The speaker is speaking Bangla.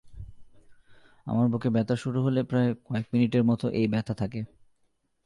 আমার বুকে ব্যথা শুরু হলে প্রায় কয়েক মিনিটের মত এই ব্যথা থাকে।